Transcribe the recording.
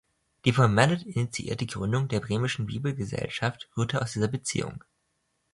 Die von Mallet initiierte Gründung der Bremischen Bibelgesellschaft rührte aus dieser Beziehung.